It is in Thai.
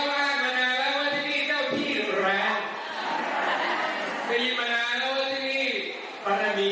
ได้ยินมานานแล้วว่าที่นี่ประดับมียก